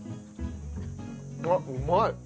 あっうまい！